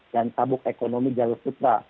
dan tabuk ekonomi jalusutra